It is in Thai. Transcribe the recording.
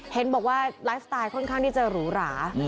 เห็นบอกว่าไลฟ์สไตล์ค่อนข้างที่จะหรูหรา